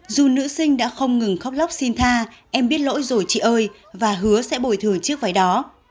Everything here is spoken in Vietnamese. dù nữ sinh đã không ngừng khóc lóc xin tha em biết lỗi rồi chị ơi và hứa sẽ bồi thường chiếc váy đó